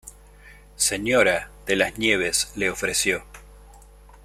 Sra, de las Nieves, le ofreció.